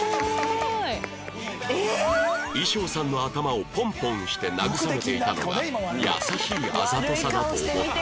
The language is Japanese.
衣装さんの頭をポンポンして慰めていたのが優しいあざとさだと思った